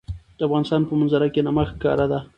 د افغانستان په منظره کې نمک ښکاره ده.